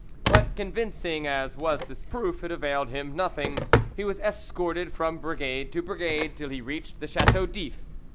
But convincing as was this proof, it availed him nothing: he was escorted from brigade to brigade till he reached the Chateau d'If.